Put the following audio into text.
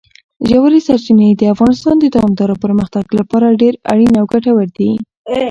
ژورې سرچینې د افغانستان د دوامداره پرمختګ لپاره ډېر اړین او ګټور دي.